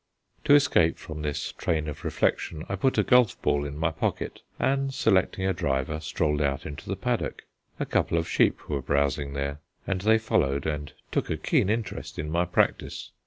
To escape from this train of reflection, I put a golf ball in my pocket, and selecting a driver, strolled out into the paddock. A couple of sheep were browsing there, and they followed and took a keen interest in my practice.